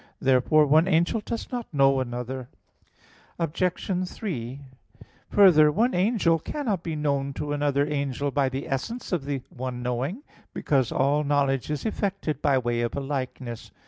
Therefore one angel does not know another. Obj. 3: Further, one angel cannot be known to another angel by the essence of the one knowing; because all knowledge is effected by way of a likeness.